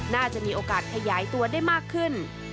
น่าจะมีโอกาสขยายตัวได้มากขึ้น